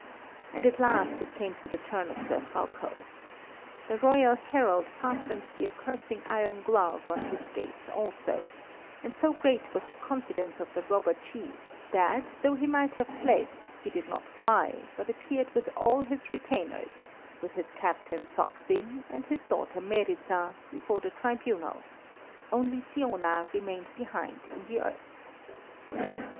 And at last it came to the turn of Sir Fulko. The royal herald fastened the accusing iron glove on his gates also, and so great was the confidence of the robber chief that, though he might have fled, he did not fly, but appeared with all his retainers, with his captain Saksin, and his daughter Meryza, before the tribunal, only Siona remained behind in the earth.